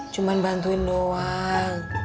cuma bantuin doang